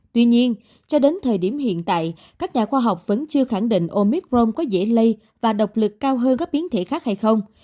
tuy nhiên cho đến thời điểm hiện tại các nhà khoa học vẫn chưa khẳng định omicron có dễ lây và độc lực cao hơn các biến thể khác hay không